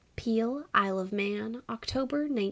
Peel, Isle of Mann, October 1911.